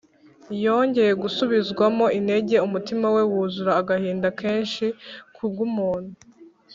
. Yongeye gusubizwamo intege, Umutima we wuzura agahinda kenshi kubw’umuntu